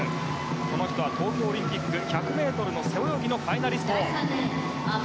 この人は東京オリンピック１００ｍ背泳ぎのファイナリスト。